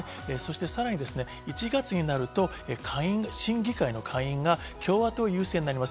さらに１月になると、審議会の下院が共和党優勢になります。